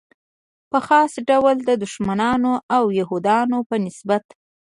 په خاص ډول د دښمنانو او یهودو په نسبت.